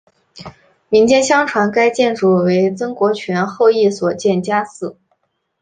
民间相传该建筑为曾国荃后裔所建家祠。